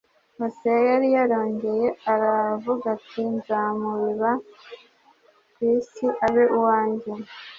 Hoseya yari yarongeye aravuga ati, “Nzamubiba ku isi, abe uwanjye,